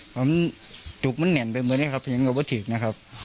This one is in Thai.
ผมถูกมันแหน่นไปเมื่อนี้ครับเพราะฉะนั้นก็ไม่ถึงนะครับ